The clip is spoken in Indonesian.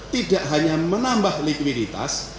tidak hanya menambah likuiditas